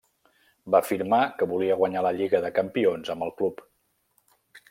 Va afirmar que volia guanyar la Lliga de Campions amb el club.